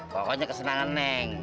pokoknya kesenangan neng